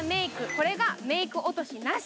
これがメイク汚れなし。